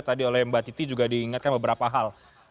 tadi oleh mbak titi juga diingatkan beberapa hal